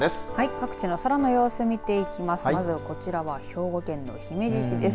各地の空の様子を見ていきます。